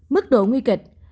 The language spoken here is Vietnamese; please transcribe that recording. mức độ nguy kịch